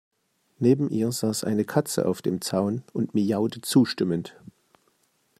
Neben ihr saß eine Katze auf dem Zaun und miaute zustimmend.